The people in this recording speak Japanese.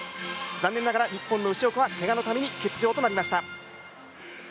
残念ながら日本の牛奥はけがのため、欠場となりました。